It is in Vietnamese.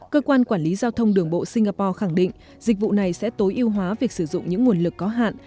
cơ quan quản lý giao thông đường bộ singapore khẳng định dịch vụ này sẽ tối ưu hóa việc sử dụng những nguồn lực có hạn